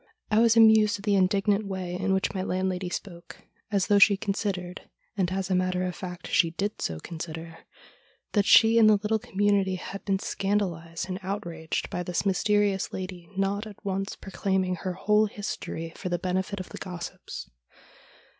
I was amused at the indignant way in which my landlady spoke, as though she considered — and as a matter of fact she did so consider — that she and the little community had been scandalised and outraged by this mysterious lady not at once proclaiming her whole history for the benefit of the gossips.